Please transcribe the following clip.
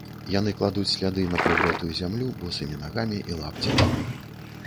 Яны кладуць сляды на прыгрэтую зямлю босымі нагамі і лапцямі.